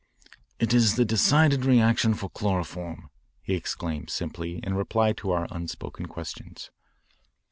"It is the decided reaction for chloroform," he exclaimed simply in reply to our unspoken questions.